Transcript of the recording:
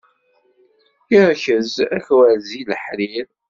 Iṛkez akwerzi n leḥrir.